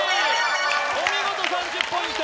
お見事３０ポイント